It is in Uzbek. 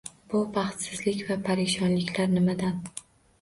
Bu baxtsizlik va parishonliklar nimadan?